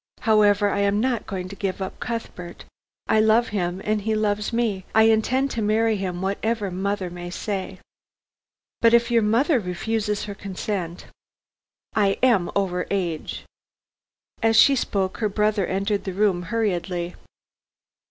"However, I am not going to give up Cuthbert. I love him and he loves me. I intend to marry him whatever mother may say." "But if your mother refuses her consent?" "I am over age." As she spoke her brother entered the room hurriedly.